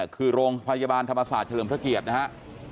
คือโรงพยาบาลธรรมศาสตร์เฉลิมพระเกียรตินะฮะ